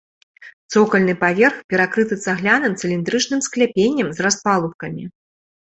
Цокальны паверх перакрыты цагляным цыліндрычным скляпеннем з распалубкамі.